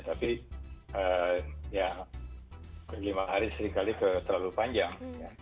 tapi ya lima hari seringkali terlalu panjang